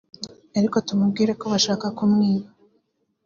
ariko tumubwira ko bashaka kumwiba